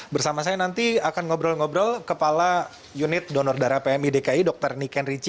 bersama saya nanti akan ngobrol ngobrol kepala unit donor darah pmi dki dr niken rici